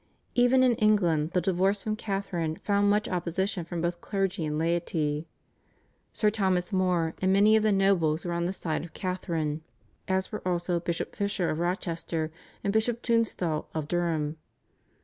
Even in England the divorce from Catharine found much opposition from both clergy and laity. Sir Thomas More and many of the nobles were on the side of Catharine, as were also Bishop Fisher of Rochester and Bishop Tunstall of Durham.